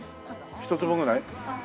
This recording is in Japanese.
１坪ぐらい？